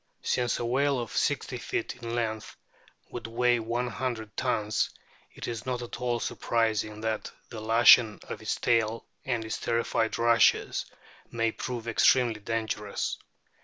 Since a whale of 60 feet in length would weigh one hundred tons, it is not at all surprising that the lashing of its tail and its terrified rushes may prove extremely dangerous.